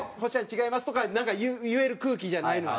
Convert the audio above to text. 違います」とか言える空気じゃないのよ。